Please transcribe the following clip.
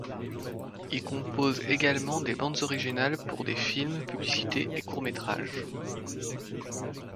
Il compose également des bandes originales pour des films, publicités et courts-métrages.